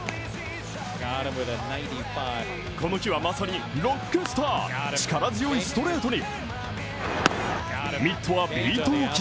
この日はまさにロックスター力強いストレートに。